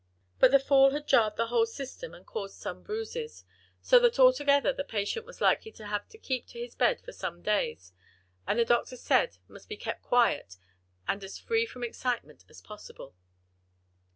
But the fall had jarred the whole system and caused some bruises; so that altogether the patient was likely to have to keep his bed for some days, and the doctor said must be kept quiet and as free from excitement as possible.